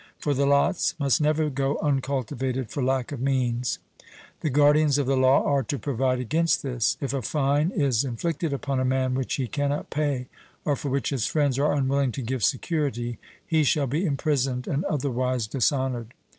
For the lots must never go uncultivated for lack of means; the guardians of the law are to provide against this. If a fine is inflicted upon a man which he cannot pay, and for which his friends are unwilling to give security, he shall be imprisoned and otherwise dishonoured.